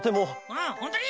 うんほんとに？